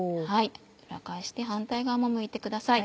裏返して反対側もむいてください。